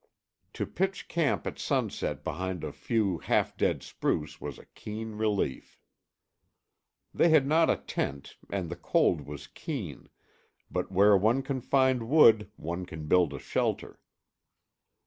To pitch camp at sunset behind a few half dead spruce was a keen relief. They had not a tent and the cold was keen, but where one can find wood one can build a shelter.